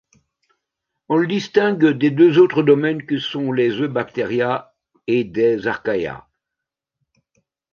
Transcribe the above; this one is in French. On le distingue des deux autres domaines que sont les Eubacteria et des Archaea.